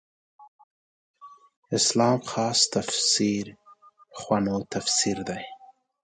اسلام خاص تفسیر پخوانو تفسیر دی.